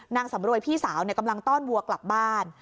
นางสำรวยพี่สาวกำลังต้อนวัวกลับบ้าน